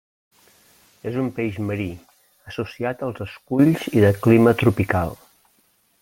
És un peix marí, associat als esculls i de clima tropical.